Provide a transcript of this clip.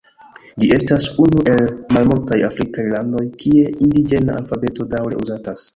Ĝi estas unu el malmultaj afrikaj landoj, kie indiĝena alfabeto daŭre uzatas.